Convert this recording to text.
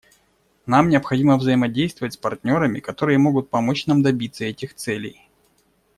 Нам необходимо взаимодействовать с партнерами, которые могут помочь нам добиться этих целей.